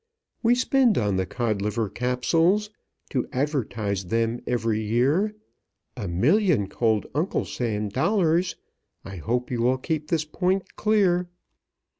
"We spend on the Codliver Capsules, To advertise them, every year, A Million cold Uncle Sam dollars I hope you will keep this point clear.